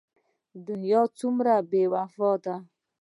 دنيا څومره بې وفا ده.